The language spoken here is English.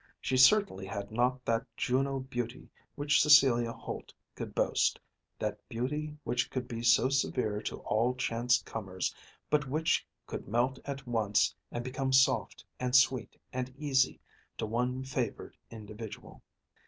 She certainly had not that Juno beauty which Cecilia Holt could boast, that beauty which could be so severe to all chance comers, but which could melt at once and become soft and sweet and easy to one favoured individual.